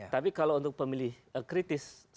tapi kalau untuk pemilih kritis saya tidak